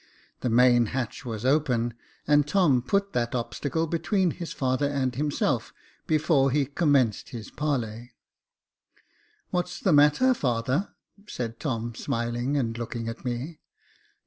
The main hatch was open, and Tom put that obstacle between his father and himself before he com menced his parley. "What's the matter, father?" said Tom, smiling, and looking at me.